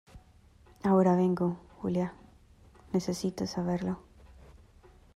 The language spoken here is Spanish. ahora vengo. Julia, necesito saberlo .